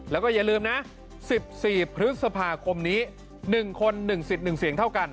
แล้วก็อย่าลืมนะ๑๔พฤษภาคมนี้๑คน๑สิทธิ์๑เสียงเท่ากัน